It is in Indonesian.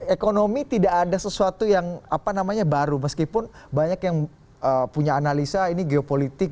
ekonomi tidak ada sesuatu yang apa namanya baru meskipun banyak yang punya analisa ini geopolitik